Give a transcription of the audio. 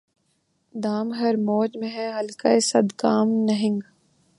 دام ہر موج میں ہے حلقۂ صد کام نہنگ